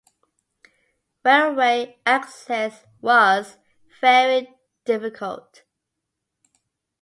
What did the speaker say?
Railway access was very difficult.